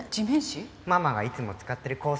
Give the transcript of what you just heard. ママがいつも使ってる香水だよ。